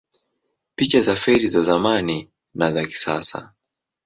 Picha za feri za zamani na za kisasa